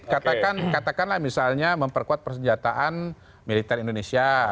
katakan katakanlah misalnya memperkuat persenjataan militer indonesia